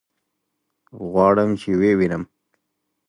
غواړم چې ويې وينم.